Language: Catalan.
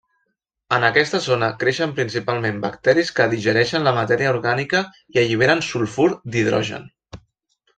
En aquesta zona creixen principalment bacteris que digereixen la matèria orgànica i alliberen sulfur d'hidrogen.